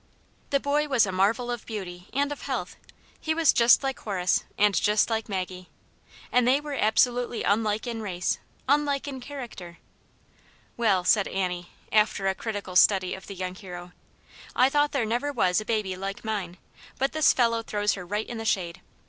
The boy was a marvel of beauty and of health ; he waa just like Horace and just like Maggie, and they were absolutely unlike in race, unlike in character. " Well," said Annie, after a critical study of the young hero, " I thought there never was a baby like mine, but this fellow throws her right into the shade.